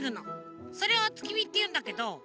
それをおつきみっていうんだけど。